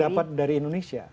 dapat dari indonesia